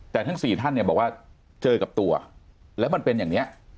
แต่ทั้ง๔ท่านเนี่ยบอกว่าเจอกับตัวแล้วมันเป็นอย่างนี้